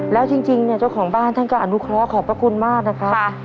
แล้วจริงเนี่ยเจ้าของบ้านท่านก็อนุเคราะห์ขอบพระคุณมากนะครับ